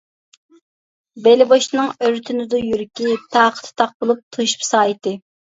بېلى بوشنىڭ ئۆرتىنىدۇ يۈرىكى، تاقىتى تاق بولۇپ، توشۇپ سائىتى.